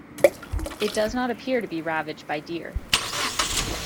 It does not appear to be ravaged by deer.